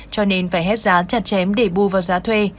cho nên phải hết giá chặt chém để bù vào giá thuê